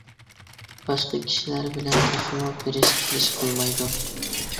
باشقا كىشىلەر بىلەن تېخىمۇ بېرىش كېلىش قىلمايدۇ.